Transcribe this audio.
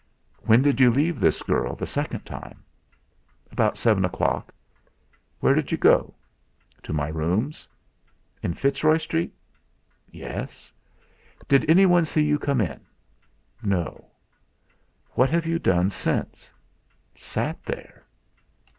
"When did you leave this girl the second time?" "About seven o'clock." "Where did you go?" "To my rooms." "In Fitzroy Street?" "Yes." "Did anyone see you come in?" "No." "What have you done since?" "Sat there."